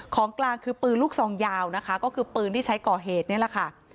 ของกลางคือปืนลูกซองยาวนะคะก็คือปืนที่ใช้ก่อเหตุนี่แหละค่ะ